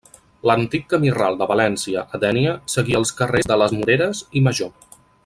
L'antic camí ral de València a Dénia seguia els carrers de les Moreres i Major.